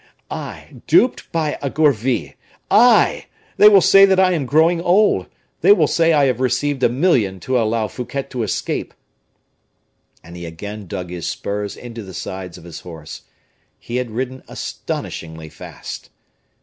I! duped by a Gourville! I! They will say that I am growing old, they will say I have received a million to allow Fouquet to escape!" And he again dug his spurs into the sides of his horse: he had ridden astonishingly fast.